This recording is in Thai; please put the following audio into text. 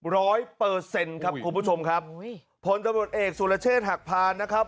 ร้อยเปอร์เซ็นต์ครับคุณผู้ชมครับอุ้ยพลตำรวจเอกสุรเชษฐ์หักพานนะครับ